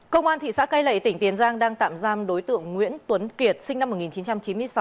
công an thị xã cây lệ tỉnh tiền giang đang tạm giam đối tượng nguyễn tuấn kiệt sinh năm một nghìn chín trăm chín mươi sáu